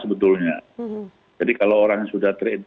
bagaimana kita bisa menguruskan kemampuan kita